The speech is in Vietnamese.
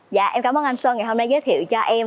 dạ em cảm ơn anh sơn ngày hôm nay giới thiệu cho em